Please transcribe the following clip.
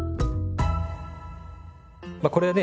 これはね